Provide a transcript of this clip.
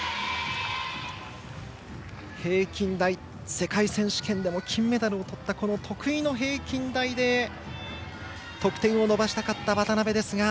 世界選手権でも金メダルをとったこの得意の平均台で得点を伸ばしたかった渡部ですが。